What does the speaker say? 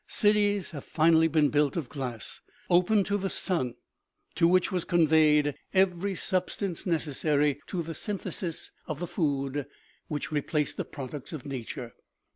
Cities had finally been built of glass, open to the sun, to which was conveyed every sub OMEGA. 253 stance necessary to the synthesis of the food which re placed the products of nature.